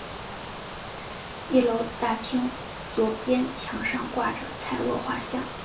一楼大厅左边墙上挂着蔡锷画像。